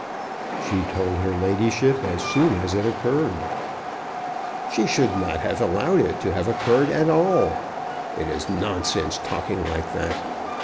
"She told her ladyship as soon as it occurred." "She should not have allowed it to have occurred at all. It is nonsense talking like that.